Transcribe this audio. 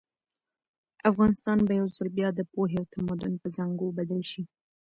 افغانستان به یو ځل بیا د پوهې او تمدن په زانګو بدل شي.